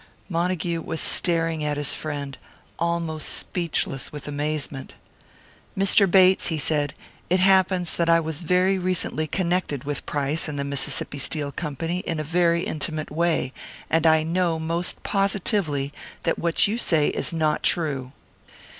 Montague was staring at his friend, almost speechless with amazement. "Mr. Bates," he said, "it happens that I was very recently connected with Price and the Mississippi Steel Company in a very intimate way; and I know most positively that what you say is not true."